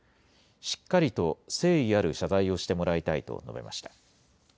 しっかりと誠意ある謝罪をしてもらいたいと述べました。